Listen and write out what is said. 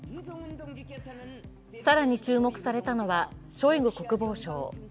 更に注目されたのはショイグ国防相。